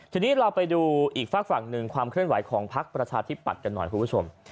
ทีนี้เราไปดูอีกฝากฝั่งหนึ่งความเคลื่อนไหวของพักประชาธิปัตย์กันหน่อยคุณผู้ชม